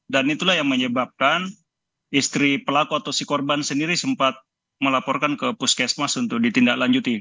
dan itulah yang menyebabkan istri pelaku atau si korban sendiri sempat melaporkan ke poskesmas untuk ditindaklanjuti